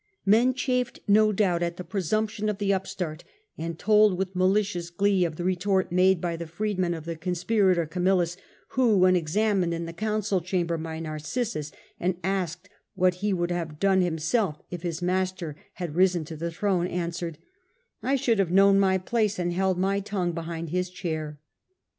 Men chafed, no doubt, at the presumption of the upstart, and told with malicious glee of the retort made by the freedman of the conspirator Camillus, who, when ex amined in the council chamber by Narcissus and asked what he would have done himself if his master had risen to the throne, answered, ' I should have known my place, and held my tongue behind his chair.'